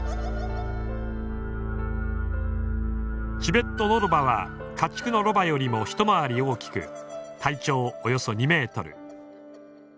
チベットノロバは家畜のロバよりも回り大きく体長およそ２ｍ。